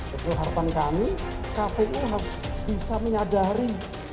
kepoleh harapan kami kpu harus bisa mengadari